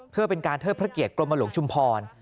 เพื่อเป็นการเทิดพระเกียรติกรมหลวงชุมพร